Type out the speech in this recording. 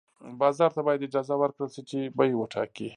بازار ته باید اجازه ورکړل شي چې بیې وټاکي.